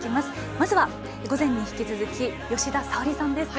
まずは午前に引き続き吉田沙保里さんです。